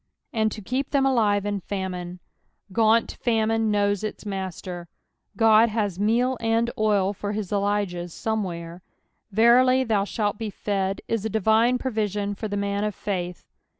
" And to keep them aline in famine.''^ Gaunt fomioo knows its master. God has meal and oil for his Elijahs somewhere. " Verily thou shalt be fed " is a divine provision for the man of faith.